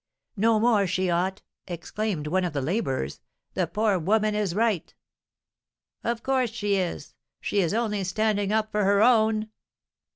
"No more she ought," exclaimed one of the labourers; "the poor woman is right!" "Of course she is, she is only standing up for her own!"